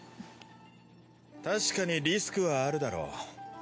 確かにリスクはあるだろう。